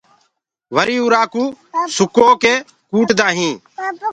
وري اُرآ ڪوُ سُڪو ڪي ڪوُٽدآ هينٚ۔